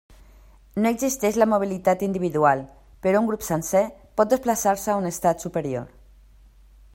No existeix la mobilitat individual, però un grup sencer pot desplaçar-se a un estrat superior.